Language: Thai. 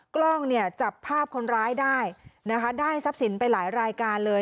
กล้องเนี่ยจับภาพคนร้ายได้นะคะได้ทรัพย์สินไปหลายรายการเลย